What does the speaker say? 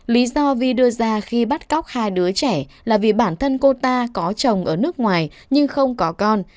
lý do vi đưa ra khi bắt cóc hai đứa trẻ là vì bản thân cô ta có chồng ở nước ngoài nhưng không có con